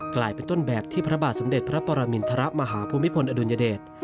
กลายเป็นต้นแบบที่พระบาทสมเด็จพระปรมินทรมาฮภูมิพลอดุลยเดช